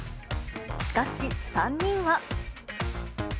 しかし、３人は。